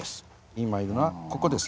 今いるのはここです。